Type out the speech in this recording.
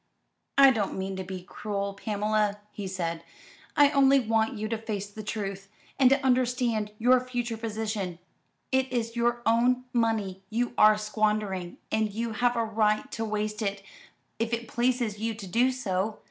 "I don't mean to be cruel, Pamela," he said. "I only want you to face the truth, and to understand your future position. It is your own money you are squandering, and you have a right to waste it, if it pleases you to do so.